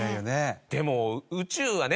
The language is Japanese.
でも宇宙はね